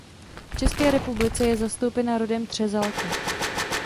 V České republice je zastoupena rodem třezalka.